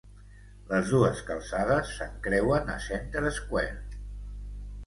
Les dues calçades s'encreuen a Center Square.